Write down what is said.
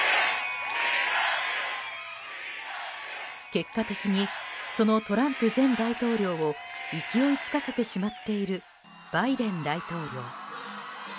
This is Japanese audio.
結果的にそのトランプ前大統領を勢いづかせてしまっているバイデン大統領。